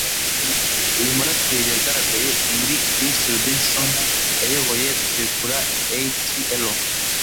Uyu muraperi yagaragaye muri Chris Robinson yayoboye kurekura ATL.